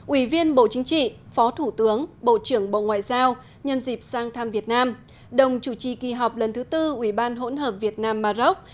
ủy viên bộ chính trị phó thủ tướng bộ trưởng bộ ngoại giao nhân dịp sang thăm việt nam đồng chủ trì kỳ họp lần thứ tư ủy ban hỗn hợp việt nam maroc